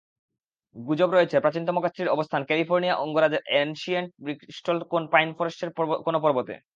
গুজব রয়েছে, প্রাচীনতম গাছটির অবস্থান ক্যালিফোর্নিয়া অঙ্গরাজ্যের অ্যানশিয়েন্ট ব্রিস্টলকোন পাইন ফরেস্টের কোনো পর্বতে।